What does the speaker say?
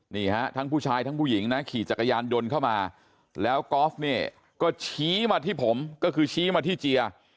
นี่ฮะทั้งผู้ชายทั้งผู้หญิงนะขี่จักรยานยนต์เข้ามาแล้วกอล์ฟเนี่ยก็ชี้มาที่ผมก็คือชี้มาที่เจีย